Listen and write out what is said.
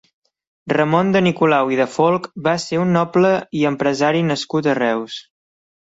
Ramon de Nicolau i de Folch va ser un noble i empresari nascut a Reus.